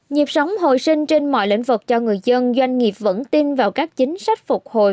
nhịp sống hồi sinh trên mọi lĩnh vực cho người dân doanh nghiệp vẫn tin vào các chính sách phục hồi